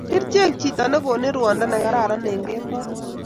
kerchek chiton ko gonin ruondo ne kararan eng kemboi